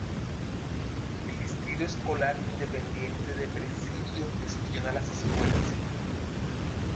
El Distrito Escolar Independiente de Presidio gestiona las escuelas.